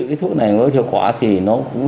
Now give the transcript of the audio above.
cái thuốc này nó thiệu quả thì nó cũng